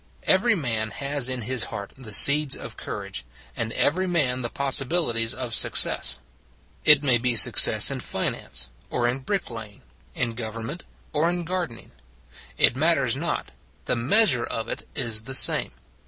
Every man has in his heart the seeds of courage; and every man the possibilities of success. It may be success in finance or in brick laying; in government or in gardening. It matters not: the measure of it is the same.